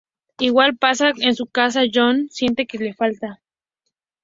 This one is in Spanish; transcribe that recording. Igual pasa en su casa; John siente que algo le falta.